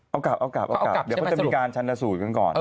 เอากลับเดี๋ยวพวกมันมีการชันสูทกันก่อน